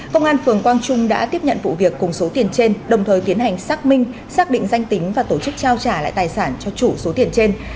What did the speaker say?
công an phường quang trung đã tiếp nhận vụ việc cùng số tiền trên đồng thời tiến hành xác minh xác định danh tính và tổ chức trao trả lại tài sản cho chủ số tiền trên